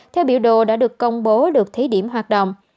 theo biểu đồ đã được công bố được thí điểm hoạt động